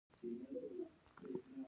د کوډ ساده لیکل اصلاح ته آسانتیا ورکوي.